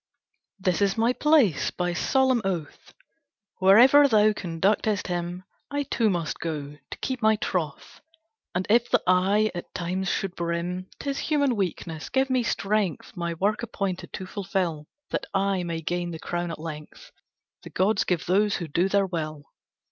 This is my place; by solemn oath Wherever thou conductest him I too must go, to keep my troth; And if the eye at times should brim, 'Tis human weakness, give me strength My work appointed to fulfil, That I may gain the crown at length The gods give those who do their will.